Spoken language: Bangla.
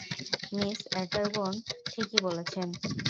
মিস অট্যারবোর্ন ঠিকই বলেছেন।